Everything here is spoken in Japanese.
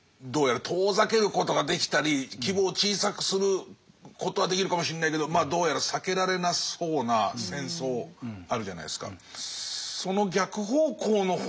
どうやら遠ざけることができたり規模を小さくすることはできるかもしんないけどどうやら避けられなそうな戦争あるじゃないですか。